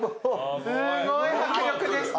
すごい迫力でした。